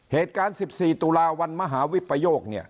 เหตุการณ์๑๔ตุลาวันมหาวิปโยคเนี่ย